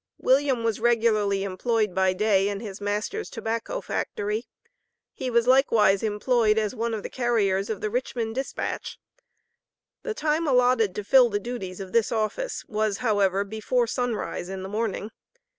William was regularly employed by day in his master's tobacco factory. He was likewise employed, as one of the carriers of the Richmond Dispatch; the time allotted to fill the duties of this office, was however, before sunrise in the morning.